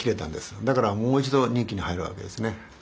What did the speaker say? だからもう一度任期に入るわけですね。